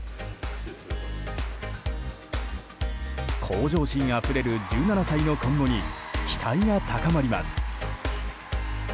向上心あふれる、１７歳の今後に期待が高まります。